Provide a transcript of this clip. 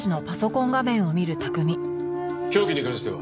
凶器に関しては？